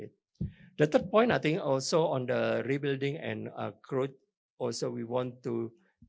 tentang poin ketiga saya pikir juga dalam pembangunan dan pembangunan